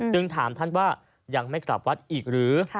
ถามท่านว่ายังไม่กลับวัดอีกหรือ